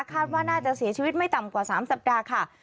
คาดว่าน่าจะเสียชีวิตไม่ต่ำกว่า๓สัปดาห์ค่ะ